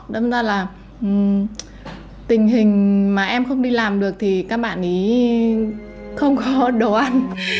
đâm ra là tình hình mà em không đi làm được thì các bạn ý không khó đồ ăn